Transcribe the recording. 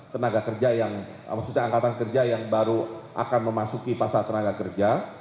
tenaga kerja yang maksudnya angkatan kerja yang baru akan memasuki pasar tenaga kerja